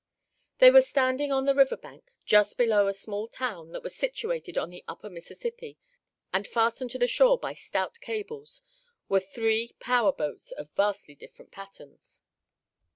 They were standing on the river bank just below a small town that was situated on the Upper Mississippi; and fastened to the shore by stout cables were three power boats of vastly different patterns.